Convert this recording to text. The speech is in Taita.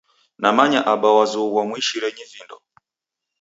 Namanya Aba wazughwa muishirenyi vindo.